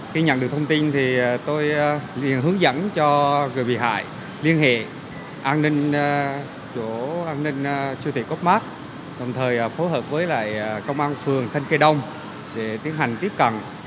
khi nhận được thông tin thì tôi liên hướng dẫn cho người bị hại liên hệ an ninh siêu thị cô úc mát đồng thời phối hợp với công an phường thanh kê đông để tiến hành tiếp cận